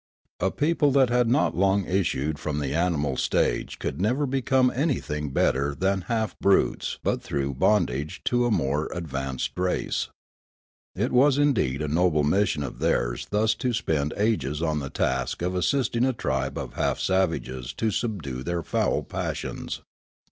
A people that had not long issued from the animal stage could never become anything better than half brutes but through bondage to a more ad vanced race. It was indeed a noble mission of theirs thus to spend ages on the task of assisting a tribe of half savages to subdue their foul passions.